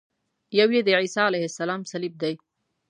یو یې د عیسی علیه السلام صلیب دی.